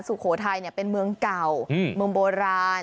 สุโขทัยเป็นเมืองเก่าเมืองโบราณ